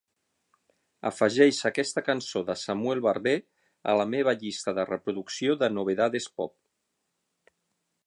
Afegeix aquesta cançó de Samuel Barber a la meva llista de reproducció de Novedades Pop.